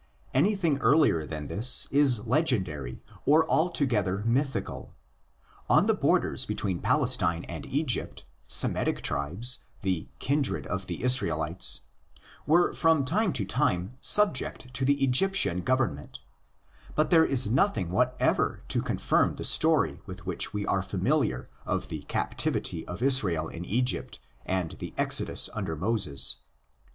Anything earlier than this is legendary or altogether mythical. On the borders between Palestine and Egypt, Semitic tribes, the kindred of the Israelites, were from time to time subject to the Egyptian Government; but there is nothing whatever to confirm the story with which we are familiar of the captivity of Israel in Egypt and the exodus under Moses.!